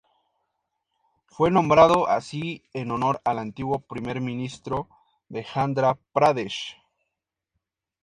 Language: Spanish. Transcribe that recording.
Fue nombrado así en honor al antiguo Primer ministro de Andhra Pradesh.